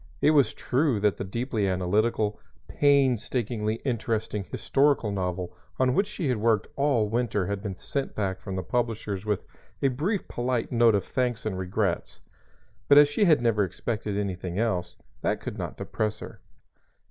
It was true that the deeply analytical, painstakingly interesting historical novel on which she had worked all winter had been sent back from the publishers with a briefly polite note of thanks and regrets; but as she had never expected anything else, that could not depress her.